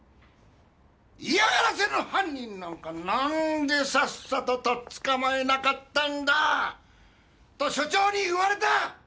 「嫌がらせの犯人なんかなんでさっさと取っ捕まえなかったんだ」と署長に言われた！